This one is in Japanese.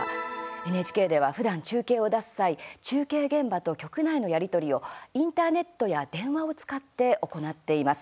ＮＨＫでは、ふだん中継を出す際中継現場と局内のやり取りをインターネットや電話を使って行っています。